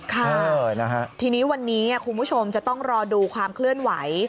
ค่ะทีนี้วันนี้คุณผู้ชมจะต้องรอดูความเคลื่อนไหว